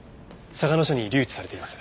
嵯峨野署に留置されています。